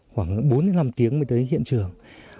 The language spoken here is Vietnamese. khoảng bốn năm tiếng mới tới hiện trường